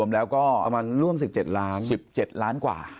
๑๗ล้านกว่าใช่ไหมครับ